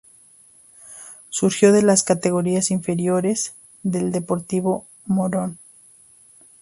Surgió de las categorías inferiores del Deportivo Morón.